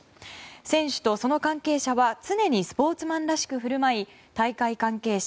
選手とその関係者は常にスポーツマンらしく振る舞い大会関係者